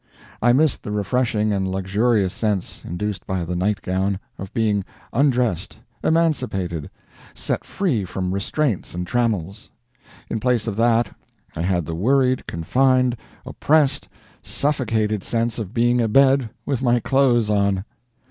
I missed the refreshing and luxurious sense, induced by the night gown, of being undressed, emancipated, set free from restraints and trammels. In place of that, I had the worried, confined, oppressed, suffocated sense of being abed with my clothes on.